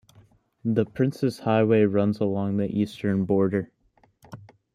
The Princes Highway runs along the eastern border.